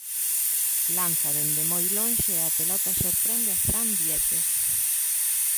Lanza dende moi lonxe e a pelota sorprende a Fran Vietes.